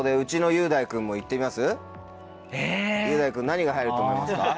雄大君何が入ると思いますか？